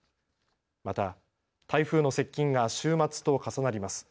また、台風の接近が週末と重なります。